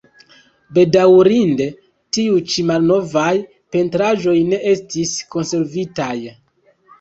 Bedaŭrinde tiuj ĉi malnovaj pentraĵoj ne estis konservitaj.